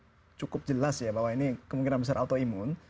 karena sudah cukup jelas ya bahwa ini kemungkinan besar autoimun